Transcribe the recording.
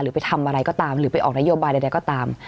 ไปทำอะไรก็ตามหรือไปออกนโยบายใดก็ตาม